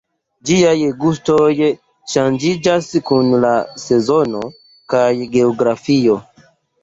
Ĝiaj gustoj ŝanĝiĝas kun la sezono kaj geografio.